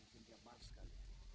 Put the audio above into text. bikin dia marah sekali